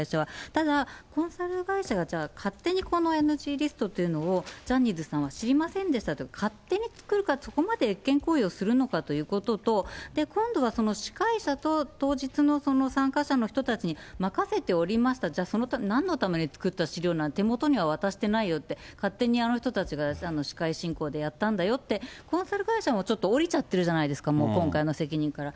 ただ、コンサル会社が、勝手にこのＮＧリストというのを、ジャニーズさんは知りませんでしたと、勝手に作るか、そこまで越権行為をするのかということと、今度は司会者と当日の参加者の人たちに任せておりました、じゃあ、なんのために作った資料なの、手元には渡してないよって、勝手にあの人たちが司会進行でやったんだよって、コンサル会社もちょっと降りちゃってるじゃないですか、もう今回の責任から。